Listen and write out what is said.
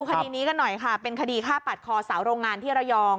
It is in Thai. คดีนี้กันหน่อยค่ะเป็นคดีฆ่าปัดคอสาวโรงงานที่ระยอง